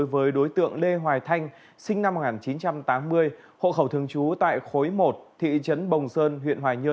về tội trộm cắp tài sản